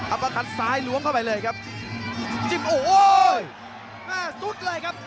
อัมมะคันซ้ายลวมเข้าไปเลยครับจิบโอ้โหแน่สุดเลยครับ